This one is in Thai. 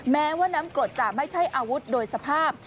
แม้ว่าน้ำกรดจะไม่ใช่อาวุธโดยสภาพ